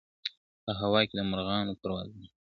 په هوا کي د مرغانو پروازونه ,